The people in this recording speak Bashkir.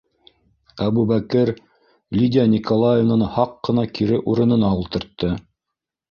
- Әбүбәкер Лидия Николаевнаны һаҡ ҡына кире урынына ултыртты.